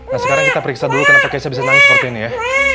nah sekarang kita periksa dulu kenapa keisyah bisa nangis seperti ini ya